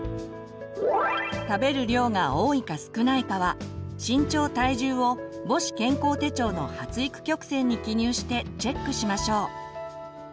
食べる量が多いか少ないかは身長・体重を母子健康手帳の発育曲線に記入してチェックしましょう。